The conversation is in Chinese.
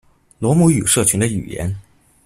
罗姆语社群的语言。